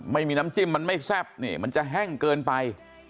ไม่มีน้ำจิ้มมันไม่แซ่บนี่มันจะแห้งเกินไป